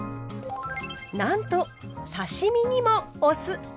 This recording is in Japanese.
なんと刺身にもお酢。